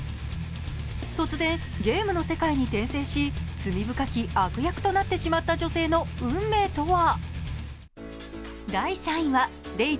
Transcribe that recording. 突然、ゲームの世界に転生し、罪深き悪役となってしまった女性の運命とは。